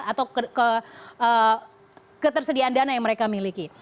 atau ketersediaan dana yang mereka miliki